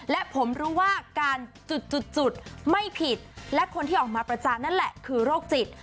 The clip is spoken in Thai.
และผมรู้ว่าการจุดไม่ผิดและคนที่ออกมาประจานนั่นแหละคือโรคจิต